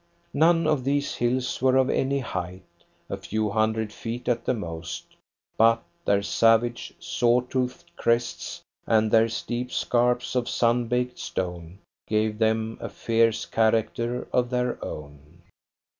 None of these hills were of any height a few hundred feet at the most but their savage, saw toothed crests, and their steep scarps of sun baked stone, gave them a fierce character of their own.